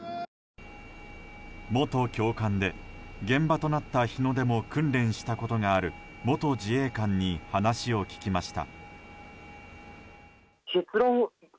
元教官で、現場となった日野でも訓練したことがある元自衛官に話を聞きました。